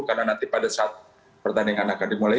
karena nanti pada saat pertandingan akan dimulai